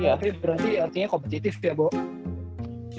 berarti artinya kompetitif ya bo